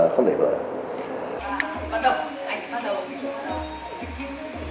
không thể bỏ lại